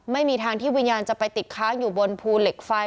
ไม่มีทางที่วิญญาณจะไปติดค้างอยู่บนภูเหล็กไฟ